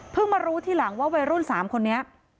มารู้ทีหลังว่าวัยรุ่น๓คนนี้